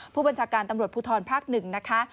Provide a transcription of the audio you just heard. ผู้บัญชาการตำรวจภูทรภาค๑นะคะ